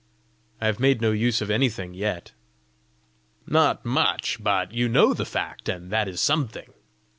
"I have made no use of anything yet!" "Not much; but you know the fact, and that is something!